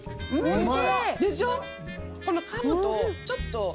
ちょっと。